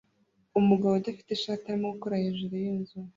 umugabo udafite ishati arimo gukora hejuru yinzu